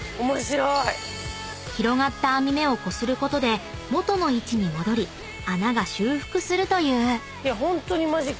［広がった編み目をこすることで元の位置に戻り穴が修復するという］